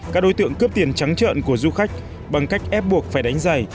các đối tượng cướp tiền trắng trợn của du khách bằng cách ép buộc phải đánh giày